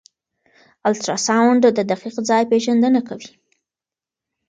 الټراساؤنډ د دقیق ځای پېژندنه کوي.